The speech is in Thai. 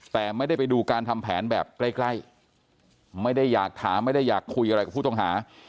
แต่ไม่ได้ไปดูการทำแผนแบบใกล้ไม่ได้อยากถามไม่ได้อยากคุยอะไรกับผู้ต้องหา